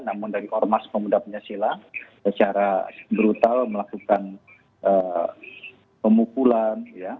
namun dari ormas pemuda pancasila secara brutal melakukan pemukulan